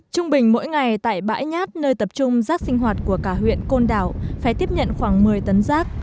trung bình mỗi ngày tại bãi nhát nơi tập trung rác sinh hoạt của cả huyện côn đảo phải tiếp nhận khoảng một mươi tấn rác